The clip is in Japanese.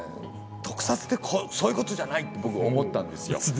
特撮ってそういうことじゃないって僕思ったんですよ。